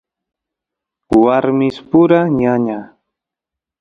warmispura ñaña